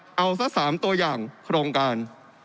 เอาสัก๓ตัวอย่างโครงการ